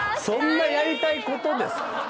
そんなやりたいことですか？